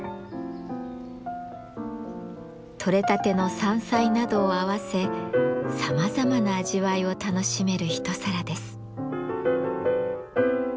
取れたての山菜などを合わせさまざまな味わいを楽しめる一皿です。